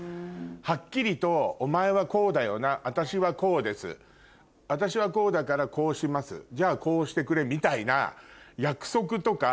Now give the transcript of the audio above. ハッキリとお前はこうだよな私はこうです私はこうだからこうしますじゃこうしてくれみたいな約束とか。